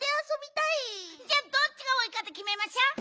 じゃあどっちがおおいかできめましょう。